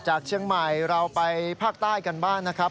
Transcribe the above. จากเชียงใหม่เราไปภาคใต้กันบ้างนะครับ